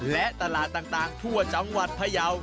และตลาดต่างทั่วจังหวัดพยาว